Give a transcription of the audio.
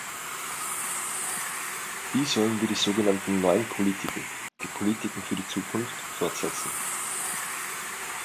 Wie sollen wir die so genannten neuen Politiken, die Politiken für die Zukunft, fortsetzen?